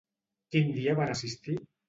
Quin dia van assistir?